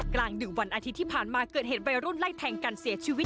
กลางดึกวันอาทิตย์ที่ผ่านมาเกิดเหตุวัยรุ่นไล่แทงกันเสียชีวิต